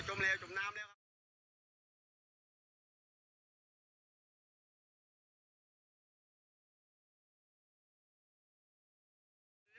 จมแล้วจมแล้วจมน้ำแล้วครับ